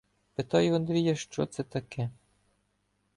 Питаю Андрія, що це таке.